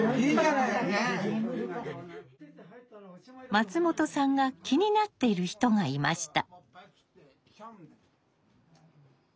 松本さんが気になっている人がいました。